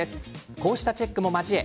こうしたチェックも交え